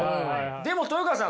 でも豊川さん